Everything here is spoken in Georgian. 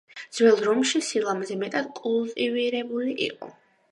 ძველ რომში სილამაზე მეტად კულტივირებული იყო.